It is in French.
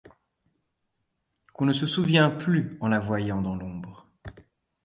Qu’on ne se souvient plus, en la voyant dans l’ombre